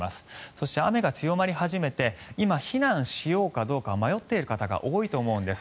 そして、雨が強まり始めて今、避難しようかどうか迷っている方多いと思うんです。